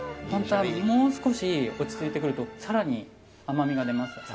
もう少し落ち着いてくると更に甘みが出ます。